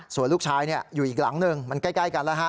ส่วนลูกชายอยู่อีกหลังหนึ่งมันใกล้กันแล้วฮะ